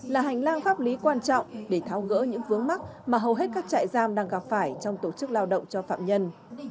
là hành lang pháp lý quan trọng để tháo gỡ những vướng mắt mà hầu hết các trại giam đang gặp phải trong tổ chức lao động cho phạm nhân